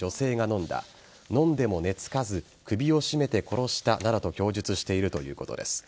飲んでも寝付かず首を絞めて殺したなどと供述しているということです。